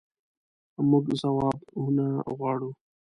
مونږ ځوابونه غواړو